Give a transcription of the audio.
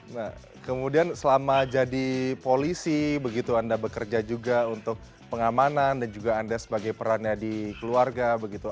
nah kemudian selama jadi polisi begitu anda bekerja juga untuk pengamanan dan juga anda sebagai perannya di keluarga begitu